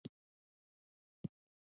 میړانه او زړورتیا د ازادۍ او عزت ضامن دی.